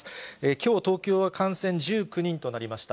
きょう、東京は感染１９人となりました。